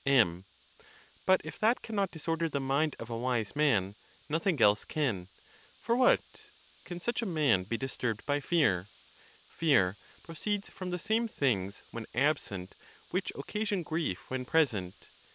M. But if that cannot disorder the mind of a wise man, nothing else can. For what—can such a man be disturbed by fear? Fear proceeds from the same things when ab sent which occasion grief when present.